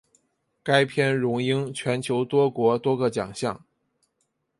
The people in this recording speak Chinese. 该片荣膺全球多国多个奖项。